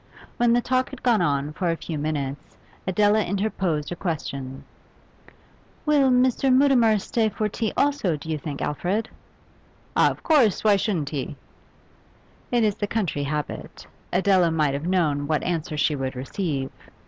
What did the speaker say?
When the talk had gone on for a few minutes Adela interposed a question. 'Will Mr. Mutimer stay for tea also, do you think, Alfred?' 'Oh, of course; why shouldn't he?' It is the country habit; Adela might have known what answer she would receive.